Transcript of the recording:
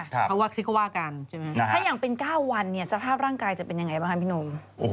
ถ้ายังเป็น๙วันสภาพร่างกายจะเป็นอย่างไรบ้างครับพี่นุ่ม